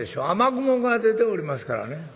雨雲が出ておりますからね。